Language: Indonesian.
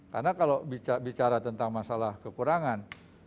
karena kalau bicara tentang masalah kekurangan